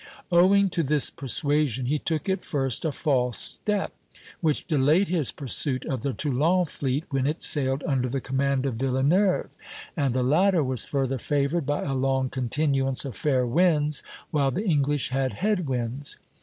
Owing to this persuasion he took at first a false step, which delayed his pursuit of the Toulon fleet when it sailed under the command of Villeneuve; and the latter was further favored by a long continuance of fair winds, while the English had head winds.